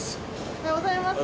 おはようございます。